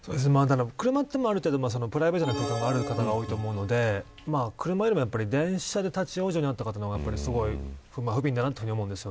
車はある程度プライベートな空間であると思うので車よりも電車で立ち往生になった方の方がふびんだなと思います。